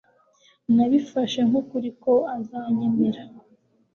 Nabifashe nkukuri ko azanyemera